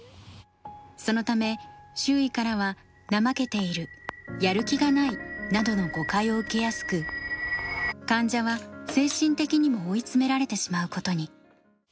そのため周囲からは怠けているやる気がないなどの誤解を受けやすく患者は精神的にも追い詰められてしまうことに。